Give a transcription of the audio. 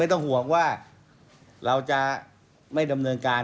ต้องห่วงว่าเราจะไม่ดำเนินการ